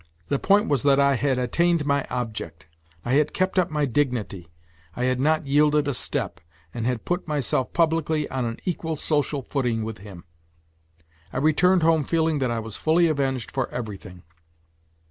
The point was that I had attained my object, I had kept up my dignity, I had not yielded a step, and had put myself publicly on an equal social footing with him. I returned home feeling that I was fully avenged for everything.